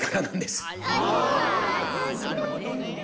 なるほどね。